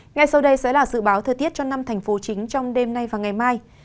ngay sau đây sẽ là dự báo thời tiết cho năm thành phố chính trong đêm nay và ngày mai